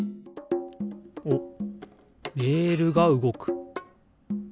おっレールがうごく。